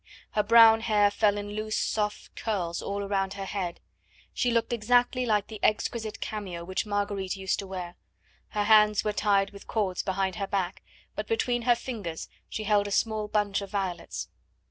Her brown hair fell in loose soft curls all round her head. She looked exactly like the exquisite cameo which Marguerite used to wear. Her hands were tied with cords behind her back, but between her fingers she held a small bunch of violets.